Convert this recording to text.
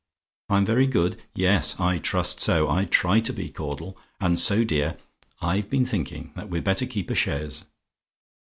"I'M VERY GOOD? "Yes, I trust so: I try to be so, Caudle. And so, dear, I've been thinking that we'd better keep a chaise.